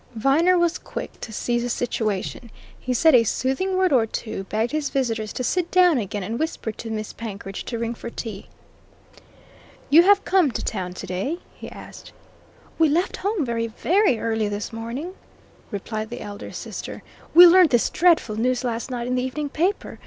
Viner was quick to seize the situation. He said a soothing word or two, begged his visitors to sit down again, and whispered to Miss Penkridge to ring for tea. "You have come to town today?" he asked. "We left home very, very early this morning," replied the elder sister. "We learned this dreadful news last night in the evening paper.